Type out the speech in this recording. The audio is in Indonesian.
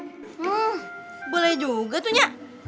hmm boleh juga tuh nyak